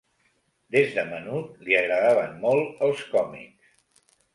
Des de menut li agradaven molt els còmics.